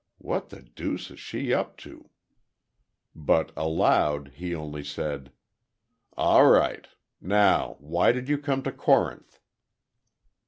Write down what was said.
"What the deuce is she up to?" But aloud, he only said, "All right. Now, why did you come to Corinth?"